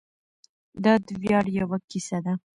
دا د ویاړ یوه کیسه ده.